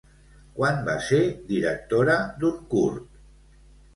Quan va ser directora d'un curt?